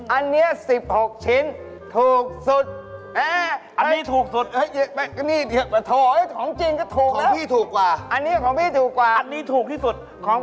อันนี้๑๖ชิ้นถูกสุด